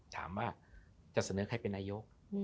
ถามว่าจะเสนอใครเป็นนายก